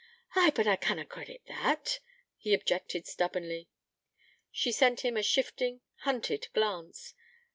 'Ay, but I canna credit that,' he objected stubbornly. She sent him a shifting, hunted glance.